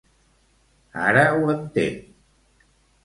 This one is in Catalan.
Ara ho entenc!